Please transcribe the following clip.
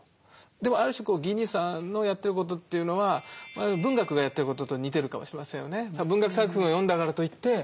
でもある種ギー兄さんのやってることというのは文学がやってることと似てるかもしれませんよね。